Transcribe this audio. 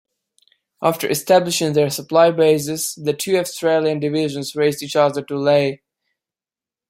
After establishing their supply bases the two Australian divisions raced each other to Lae.